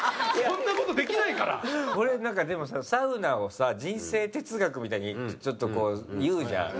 これなんかでもさサウナをさ人生哲学みたいにちょっとこう言うじゃん。